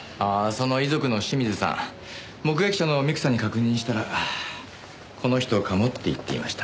その遺族の清水さん目撃者の美久さんに確認したらこの人かもって言っていました。